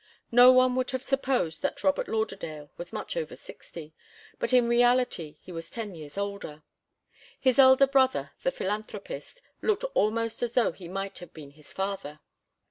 No one would have supposed that Robert Lauderdale was much over sixty, but in reality he was ten years older. His elder brother, the philanthropist, looked almost as though he might have been his father.